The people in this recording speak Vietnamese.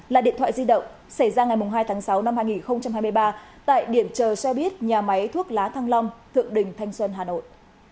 là điện thoại di động xảy ra ngày hai tháng sáu năm hai nghìn hai mươi ba tại điểm chờ xe buýt nhà máy thuốc lá thăng long thượng đình thanh xuân hà nội